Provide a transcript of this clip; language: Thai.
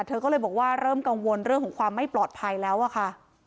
เธอก็เลยบอกว่าเริ่มกังวลเรื่องของความไม่ปลอดภัยแล้วอะค่ะ